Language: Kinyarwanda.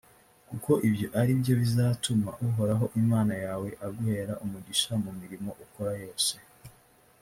kuko ibyo ari byo bizatuma uhoraho imana yawe aguhera umugisha mu mirimo ukora yose